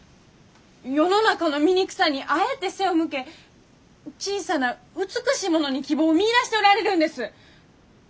世の中の醜さにあえて背を向け小さな美しいものに希望を見いだしておられるんです！